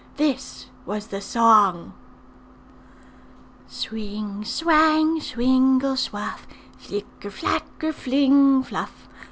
This was the song: 'Swing, swang, swingle, swuff, Flicker, flacker, fling, fluff!